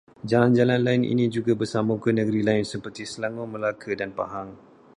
Jalan-jalan ini juga bersambung ke negeri lain seperti Selangor, Melaka dan Pahang